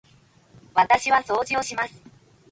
私は掃除をします。